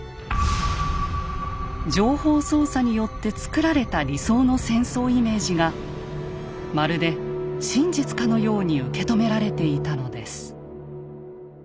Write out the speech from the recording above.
情報操作によって作られた理想の戦争イメージがまるで真実かのように受け止められていたのです。